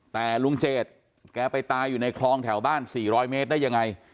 แต่ลุงเจดแกไปตายอยู่ในคลองแถวบ้าน๔๐๐เมตรได้ยังไง